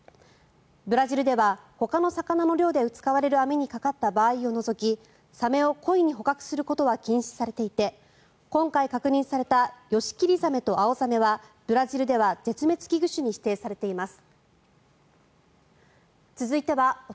ブラジルではほかの魚の漁で使われる網にかかった場合を除きサメを故意に捕獲することは禁止されていて今回確認されたヨシキリザメとアオザメはブラジルでは絶滅危惧種に指定されています。